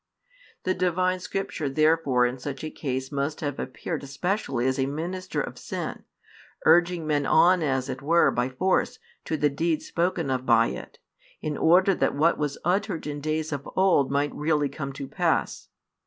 The Divine Scripture therefore in such a case must have appeared especially as a minister of sin, urging men on as it were by force to the deeds spoken of by it, in order that what was uttered in days of old might really come to pass.